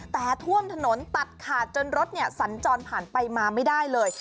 แต่ท่วมถนนตัดขาดจนรถสัญจรผ่านไปมาไม่ได้เลย